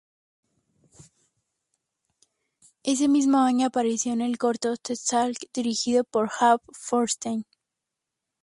Ese mismo año apareció en el corto "The Talk", dirigido por Abe Forsythe.